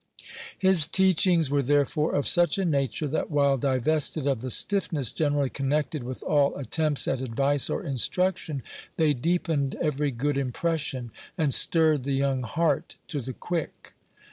His teachings were therefore of such a nature, that while divested of the stiffness generally connected with all attempts at advice or instruction, they deepened every good impression, and stirred the young heart to the quick.